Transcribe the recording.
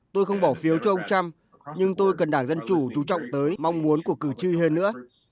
tôi không bỏ phiếu cho ông trump nhưng tôi cần đảng dân chủ trú trọng tới mong muốn của cử tri hơn nữa